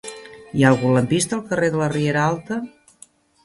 Hi ha algun lampista al carrer de la Riera Alta?